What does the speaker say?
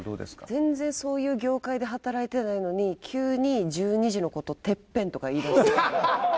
全然そういう業界で働いてないのに急に１２時の事を「てっぺん」とか言い出しそうやなって。